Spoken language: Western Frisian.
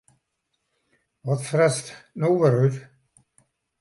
Wat fretst no wer út?